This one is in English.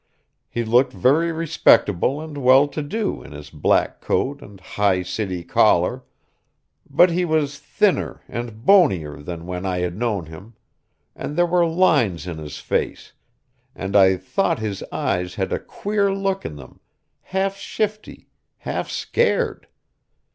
He looked very respectable and well to do in his black coat and high city collar; but he was thinner and bonier than when I had known him, and there were lines in his face, and I thought his eyes had a queer look in them, half shifty, half scared.